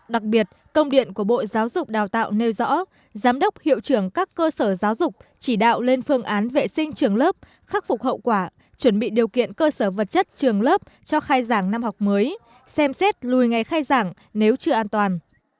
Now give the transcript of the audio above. đặc biệt công điện của bộ giáo dục đào tạo nêu rõ giám đốc hiệu trưởng các cơ sở giáo dục chỉ đạo lên phương án vệ sinh trường lớp khắc phục hậu quả chuẩn bị điều kiện cơ sở vật chất trường lớp cho khai giảng năm học mới xem xét lùi ngay khai giảng nếu chưa an toàn